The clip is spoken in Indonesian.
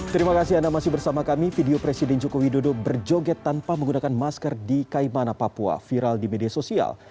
terima kasih anda masih bersama kami video presiden joko widodo berjoget tanpa menggunakan masker di kaimana papua viral di media sosial